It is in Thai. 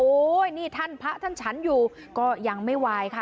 โอ๊ยนี่พระท่านฉันอยู่ก็ยังไม่ไหวค่ะ